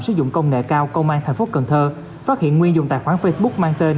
sử dụng công nghệ cao công an thành phố cần thơ phát hiện nguyên dùng tài khoản facebook mang tên